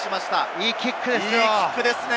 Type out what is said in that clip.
いいキックですね。